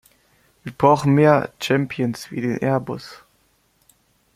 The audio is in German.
Wir brauchen mehr Champions wie den Airbus.